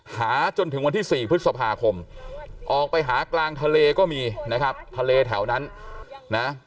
หาจนถึงวันที่๔พฤษภาคมออกไปหากลางทะเลก็มีนะครับทะเลแถวนั้นนะ